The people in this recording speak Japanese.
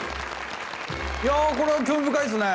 いやこれは興味深いですね。